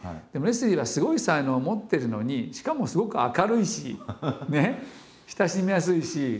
でもレスリーはすごい才能を持ってるのにしかもすごく明るいしね親しみやすいし。